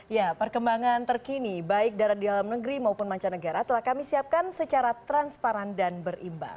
ya perkembangan terkini baik darat di dalam negeri maupun mancanegara telah kami siapkan secara transparan dan berimbang